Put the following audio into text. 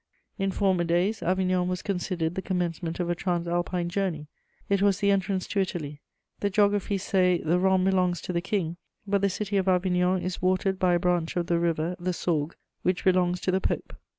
* In former days Avignon was considered the commencement of a Transalpine journey: it was the entrance to Italy. The geographies say: "The Rhone belongs to the King, but the City of Avignon is watered by a branch of the river, the Sorgue, which belongs to the Pope."